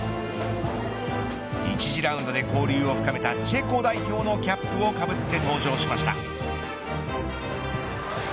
１次ラウンドで交流を深めたチェコ代表のキャップをかぶって登場しました。